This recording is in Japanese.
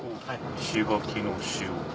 石垣の塩。